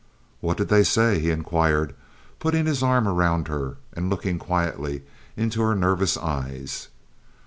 "What did they say?" he inquired, putting his arm around her and looking quietly into her nervous eyes.